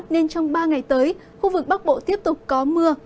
nên trong ba ngày tới khu vực bắc bộ tiếp tục có mưa